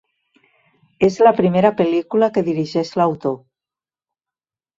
És la primera pel·lícula que dirigeix l'autor.